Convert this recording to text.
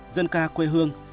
dân ca quê hương